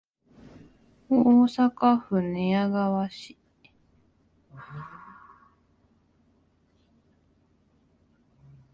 大阪府寝屋川市